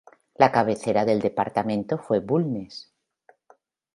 La cabecera del departamento fue Bulnes.